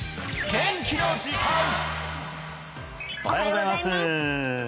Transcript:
おはようございます